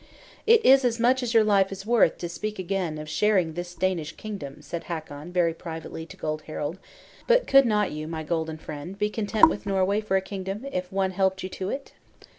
"It is as much as your life is worth to speak again of sharing this Danish kingdom," said Hakon very privately to Gold Harald; "but could not you, my golden friend, be content with Norway for a kingdom, if one helped you to it?"